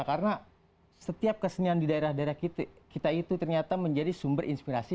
karena setiap kesenian di daerah daerah kita itu ternyata menjadi sumber inspirasi